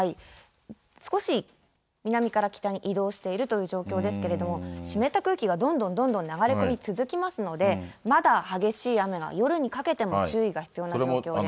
少し南から北に移動しているという状況ですけれども、湿った空気がどんどんどんどん流れ込み続けますので、まだ激しい雨が夜にかけても注意が必要な状況です。